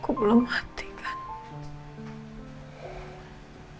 aku belum mati kan